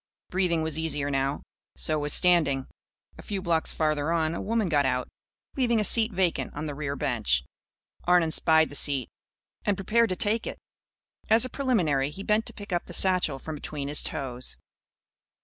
Breathing was easier now. So was standing. A few blocks farther on, a woman got out, leaving a seat vacant on the rear bench. Arnon spied the seat and prepared to take it. As a preliminary, he bent to pick up the satchel from between his toes.